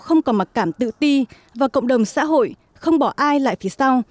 không còn mặc cảm tự ti và cộng đồng xã hội không bỏ ai lại phía sau